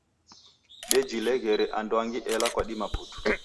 Ndejileghere anduangi ela kwadima putu.